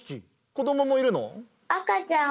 子どももいるの？